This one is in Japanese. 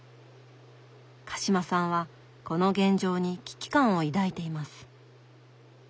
鹿島さんはこの現状に危機感を抱いています。